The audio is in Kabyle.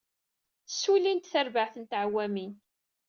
Ssulint tarbaɛt n tɛewwamin.